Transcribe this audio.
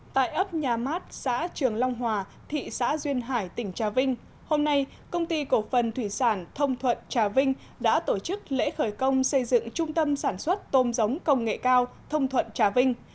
tại ấp nhà mát xã trường long hòa thị xã duyên hải tỉnh trà vinh hôm nay công ty cổ phần thủy sản thông thuận trà vinh đã tổ chức lễ khởi công xây dựng trung tâm sản xuất tôm giống công nghệ cao thông thuận trà vinh